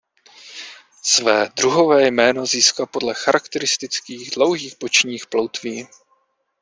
Své druhové jméno získal podle charakteristických dlouhých bočních ploutví.